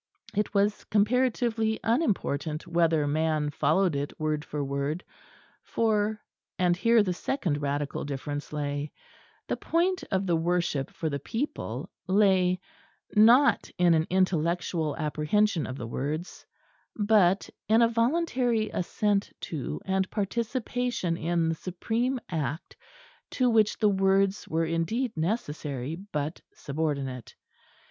It was comparatively unimportant whether man followed it word for word, for (and here the second radical difference lay) the point of the worship for the people lay, not in an intellectual apprehension of the words, but in a voluntary assent to and participation in the supreme act to which the words were indeed necessary but subordinate.